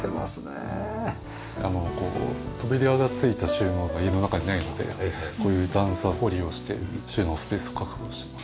あの扉がついた収納が家の中にないのでこういう段差を利用して収納スペースを確保しています。